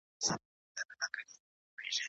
او ار ایس څنګه جوړیږي؟